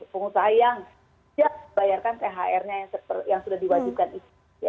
pengusaha yang siap membayarkan thr nya yang sudah diwajibkan itu